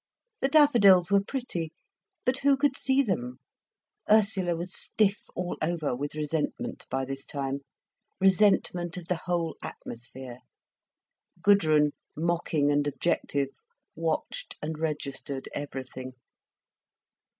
The daffodils were pretty, but who could see them? Ursula was stiff all over with resentment by this time, resentment of the whole atmosphere. Gudrun, mocking and objective, watched and registered everything.